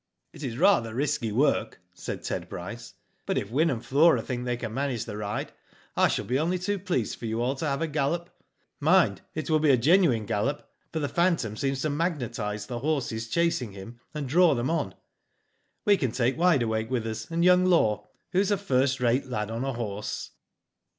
''It is rather risky work," said Ted Bryce, "but if Wyn and Flora thing they can manage the ride, I shall be only too pleased for you all to have a gallop. Mind, it will be a genuine gallop, for the phantom seems to magnetise the horses chasing him, and draw them on. We can take Wide Awake with us, and young Law, who is a first rate lad on a horse."